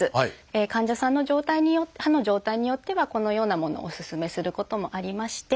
患者さんの状態歯の状態によってはこのようなものをおすすめすることもありまして。